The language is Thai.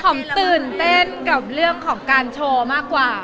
ตื่นเต้นกับเรื่องของการโชว์มากกว่า